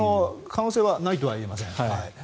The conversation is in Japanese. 可能性はないとはいえません。